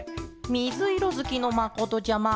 みずいろずきのまことちゃま。